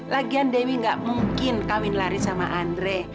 lagian dewi gak mungkin kawin lari sama andre